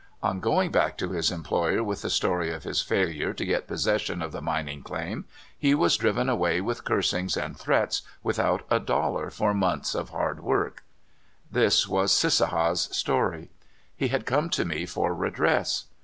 On going back to his employer with the story of his failure to get possession of the min ing claim, he was driven away with cursings and threats, without a dollar for months of hard work. 14 CALIFORNIA SKETCHES. This was Cissaha's story. He had come to me for redress.